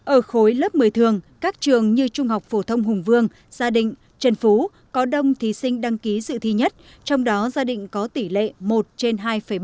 ở khối lớp một mươi thường các trường như trung học phổ thông hùng vương gia định trần phú có đông thí sinh đăng ký dự thi nhất trong đó gia đình có tỷ lệ một trên hai bảy